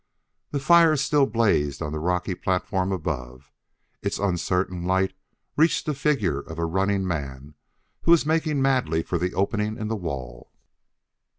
The fire still blazed on the rocky platform above; its uncertain light reached the figure of a running man who was making madly for the opening in the wall.